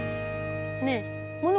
ねえ。